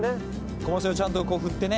コマセをちゃんと振ってね。